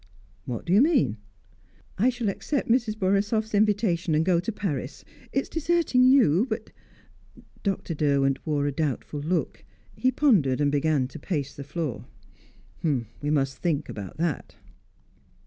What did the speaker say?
"What do you mean?" "I shall accept Mrs. Horisoff's invitation and go to Paris. It is deserting you, but " Dr. Derwent wore a doubtful look; he pondered, and began to pace the floor. "We must think about that."